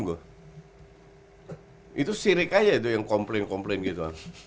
hai itu sirik aja itu yang komplain komplain gitu